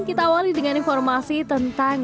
kita awali dengan informasi tentang